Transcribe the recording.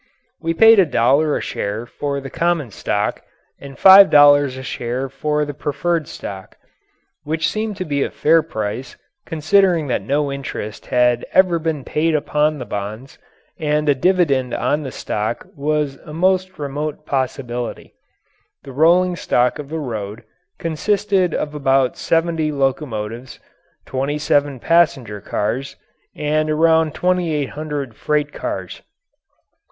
We paid a dollar a share for the common stock and five dollars a share for the preferred stock which seemed to be a fair price considering that no interest had ever been paid upon the bonds and a dividend on the stock was a most remote possibility. The rolling stock of the road consisted of about seventy locomotives, twenty seven passenger cars, and around twenty eight hundred freight cars.